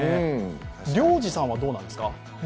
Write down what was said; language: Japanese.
亮次さんはどうなんですか？